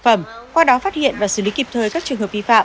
phẩm qua đó phát hiện và xử lý kịp thời các trường hợp thực phẩm